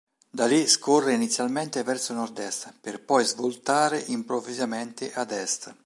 Da lì scorre inizialmente verso nord-est, per poi svoltare improvvisamente ad est.